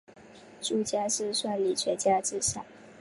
朱家仕率领全家自杀。